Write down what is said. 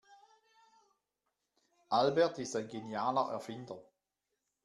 Albert ist ein genialer Erfinder.